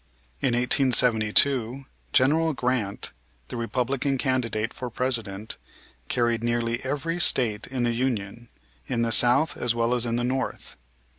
In 1872 General Grant, the Republican candidate for President, carried nearly every State in the Union, in the South as well as in the North.